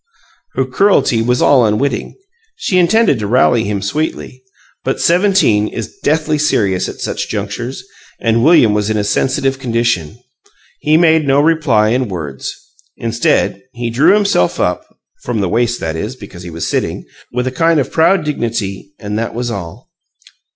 Her cruelty was all unwitting; she intended to rally him sweetly. But seventeen is deathly serious at such junctures, and William was in a sensitive condition. He made no reply in words. Instead, he drew himself up (from the waist, that is, because he was sitting) with a kind of proud dignity. And that was all.